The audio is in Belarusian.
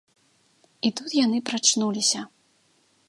І тут яны прачнуліся!